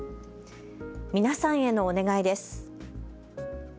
皆さんへのお願いです。